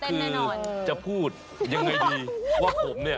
คือจะพูดยังไงดีว่าผมเนี่ย